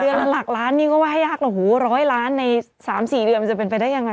เดือนหลักร้านนี้ก็ว่าให้ยากหรอโหร้อยร้านในสามสี่เดือนมันจะเป็นไปได้ยังไง